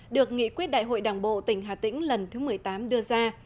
được nghị quyết đại hội đảng bộ tỉnh hà tĩnh lần thứ một mươi tám đưa ra